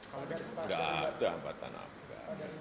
tidak ada hambatan apa